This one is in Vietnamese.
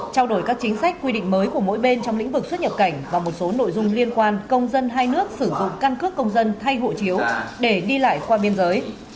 trao đổi các chính sách quy định mới của mỗi bên trong lĩnh vực xuất nhập cảnh và một số nội dung liên quan công dân hai nước sử dụng căn cước công dân thay hộ chiếu để đi lại qua biên giới